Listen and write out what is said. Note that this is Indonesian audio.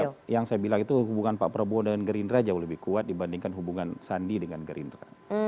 ya yang saya bilang itu hubungan pak prabowo dengan gerindra jauh lebih kuat dibandingkan hubungan sandi dengan gerindra